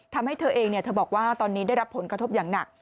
ทำให้เธอเองเธอบอกว่าตอนนี้ได้รับผลกระทบอย่างหนัก